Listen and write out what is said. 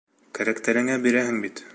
Кәрәктәренә бирәһең бит!